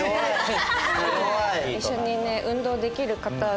一緒にね運動できる方。